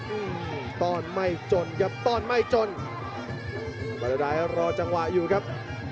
อื้อตอนไม่จนครับตอนไม่จนบาเดอร์ไดด์รอจังหวะอยู่ครับ